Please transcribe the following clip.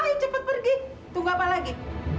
ayo cepat pergi tunggu apa lagi